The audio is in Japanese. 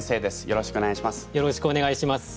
よろしくお願いします。